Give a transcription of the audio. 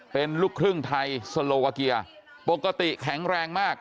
เป็นลูกครึ่งไทยสโลกาเกียร์ปกติแข็งแรงมาก